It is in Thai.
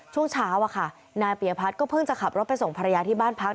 ช่วงเช้านายปียพัฒน์ก็เพิ่งจะขับรถไปส่งภรรยาที่บ้านพัก